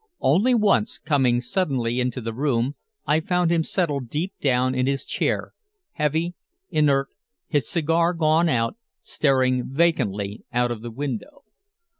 Only once, coming suddenly into the room, I found him settled deep down in his chair, heavy, inert, his cigar gone out, staring vacantly out of the window.